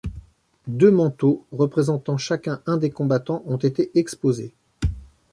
Deux manteaux représentant chacun un des combattants ont été exposés.